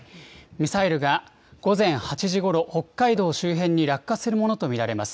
ミサイルが午前８時ごろ、北海道周辺に落下するものと見られます。